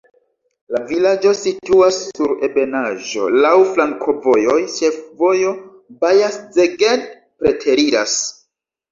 La vilaĝo situas sur ebenaĵo, laŭ flankovojoj, ĉefvojo Baja-Szeged preteriras.